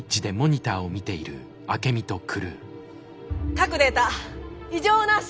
各データ異常なし！